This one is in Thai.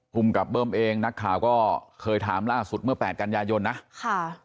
กับเบิ้มเองนักข่าวก็เคยถามล่าสุดเมื่อแปดกันยายนนะค่ะ